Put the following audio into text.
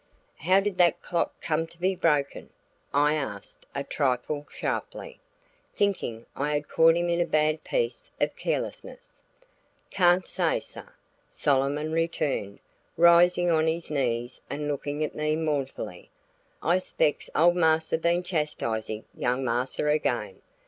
"How did that clock come to be broken?" I asked a trifle sharply, thinking I had caught him in a bad piece of carelessness. "Cayn't say, sah," Solomon returned, rising on his knees and looking at me mournfully. "I specs ole Marsa been chastisin' young Marsa again.